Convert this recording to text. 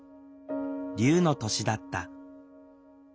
竜の年だった。